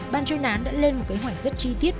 ban chuyên án đã lên một kế hoạch rất chi tiết